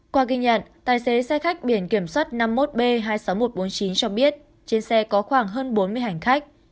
qua ghi nhận tài xế xe khách biển kiểm soát năm mươi một b hai mươi sáu nghìn một trăm bốn mươi chín cho biết trên xe có khoảng hơn bốn mươi hành khách